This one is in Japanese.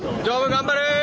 頑張れ。